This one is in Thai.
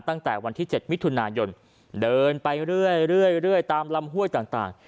ตั้งแต่วันที่๗มิถุนายนเดินไปเรื่อยตามลำห้วยต่าง